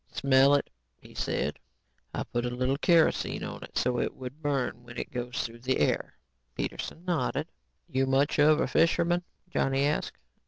"Smell it," he said. "I put a little kerosene on it so it would burn when it goes through the air." Peterson nodded. "You much of a fisherman?" Johnny asked.